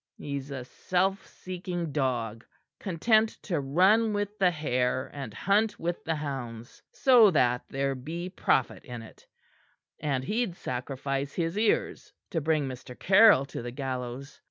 He's a self seeking dog, content to run with the hare and hunt with the hounds, so that there be profit in it, and he'd sacrifice his ears to bring Mr. Caryll to the gallows.